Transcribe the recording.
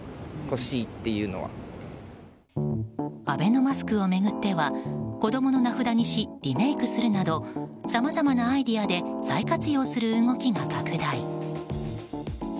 アベノマスクを巡っては子供の名札にしリメイクするなどさまざまなアイデアで再活用する動きが拡大。